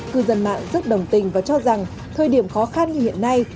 cư dân mạng rất đồng tình và cho rằng thời điểm khó khăn như hiện nay